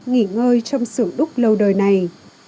nghỉ ngơi trong sưởng đúc lâu đời này